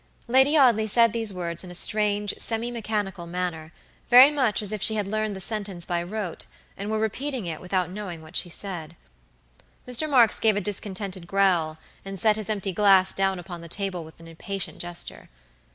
Lady Audley said these words in a strange, semi mechanical manner; very much as if she had learned the sentence by rote, and were repeating it without knowing what she said. Mr. Marks gave a discontented growl, and set his empty glass down upon the table with an impatient gesture.